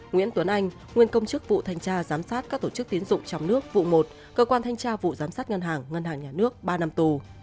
nguyễn tuấn anh nguyên công chức vụ thanh tra giám sát các tổ chức tiến dụng trong nước vụ một cơ quan thanh tra vụ giám sát ngân hàng ngân hàng nhà nước ba năm tù